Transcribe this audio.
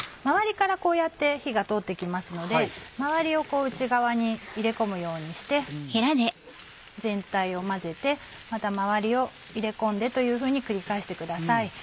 周りからこうやって火が通って来ますので周りを内側に入れ込むようにして全体を混ぜてまた周りを入れ込んでというふうに繰り返してください。